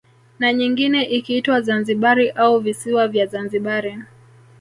Na nyingine ikiitwa Zanzibari au visiwa vya Zanzibari